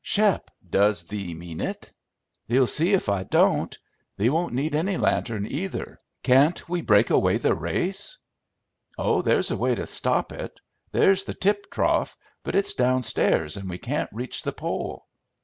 "Shep! Does thee mean it?" "Thee'll see if I don't. Thee won't need any lantern either." "Can't we break away the race?" "Oh, there's a way to stop it. There's the tip trough, but it's downstairs and we can't reach the pole."